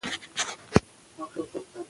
که په تعلیم کې کیفیت وي نو هېواد پرمختګ کوي.